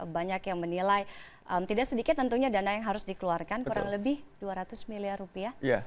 banyak yang menilai tidak sedikit tentunya dana yang harus dikeluarkan kurang lebih dua ratus miliar rupiah